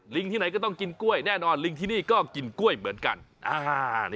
ที่ไหนก็ต้องกินกล้วยแน่นอนลิงที่นี่ก็กินกล้วยเหมือนกัน